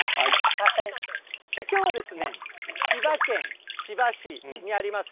きょうは千葉県千葉市にあります